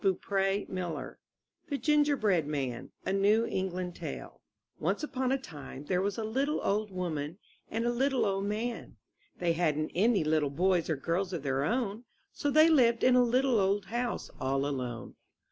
120 I N THE NURSERY e^M THE GINGERBREAD MAN A New England Tale Once upon a time there were a little old woman and a little old man. They hadn't any little boys or girls of their own, so they lived in a little old house all alone.